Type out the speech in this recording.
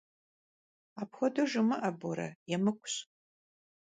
Apxuedeu jjomı'e, Bore, yêmık'uş.